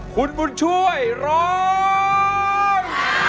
คุณบุญช่วยร้อง